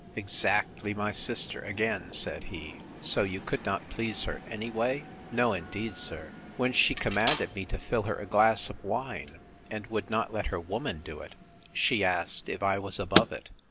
Exactly my sister again! said he. So you could not please her any way? No, indeed, sir. When she commanded me to fill her a glass of wine, and would not let her woman do it, she asked, If I was above it?